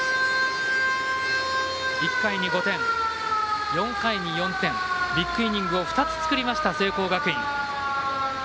１回に５点４回に４点ビッグイニングを２つ作りました聖光学院。